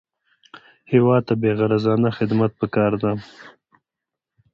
هېواد ته بېغرضانه خدمت پکار دی